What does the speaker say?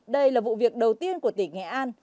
đây là vụ việc đầu tiên của tỉnh nghệ an